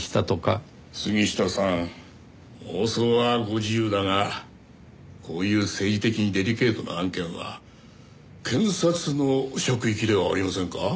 杉下さん妄想はご自由だがこういう政治的にデリケートな案件は検察の職域ではありませんか？